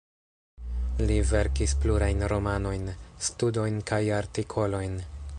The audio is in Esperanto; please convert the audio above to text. Li verkis plurajn romanojn, studojn kaj artikolojn.